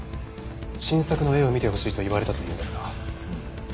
新作の絵を見てほしいと言われたというんですが。